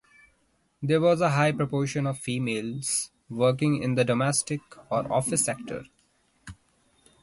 There was a high proportion of females working in the domestic or office sector.